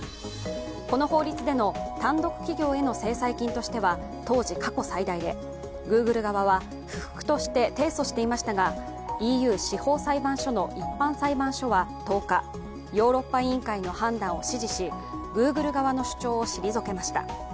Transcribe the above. この法律での単独企業への制裁金としては当時、過去最大でＧｏｏｇｌｅ側は不服として提訴していましたがＥＵ司法裁判所の一般裁判所は１０日、ヨーロッパ委員会の判断を支持し、Ｇｏｏｇｌｅ側の主張を退けました。